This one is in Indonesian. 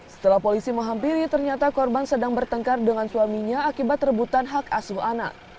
setelah polisi menghampiri ternyata korban sedang bertengkar dengan suaminya akibat rebutan hak asuh anak